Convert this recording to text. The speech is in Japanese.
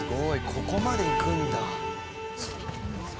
ここまで行くんだ。